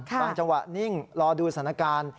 จังหวะนิ่งรอดูสถานการณ์